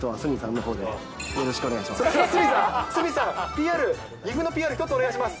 じゃあもう、あとは鷲見さん鷲見さん、ＰＲ、岐阜のＰＲ１つお願いします。